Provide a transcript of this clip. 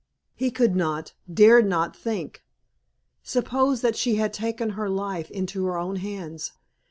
He could not, dared not think. Suppose that she had taken her life into her own hands?